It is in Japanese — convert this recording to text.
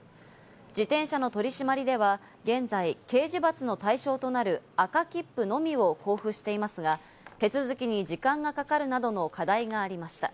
自転車の取り締まりでは現在、刑事罰の対象となる赤切符のみを交付していますが、手続きに時間がかかるなどの課題がありました。